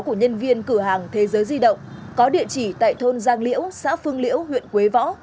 của nhân viên cửa hàng thế giới di động có địa chỉ tại thôn giang liễu xã phương liễu huyện quế võ